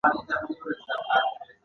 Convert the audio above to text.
سپین ږيري موسيقي وغږوله.